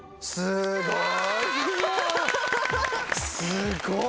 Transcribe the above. すごい。